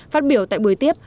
phát biểu tại buổi tiếp